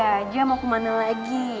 papa udah rapi aja mau kemana lagi